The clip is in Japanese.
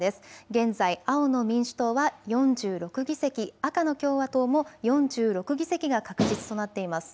現在青の民主党は４６議席、赤の共和党も４６議席が確実となっています。